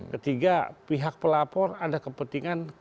ketiga pihak pelapor ada kepentingan